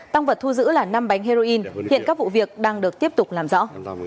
tăng vật thu giữ là năm bánh heroin hiện các vụ việc đang được tiếp tục làm rõ